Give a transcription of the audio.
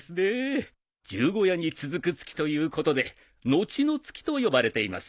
十五夜に続く月ということで後の月と呼ばれています。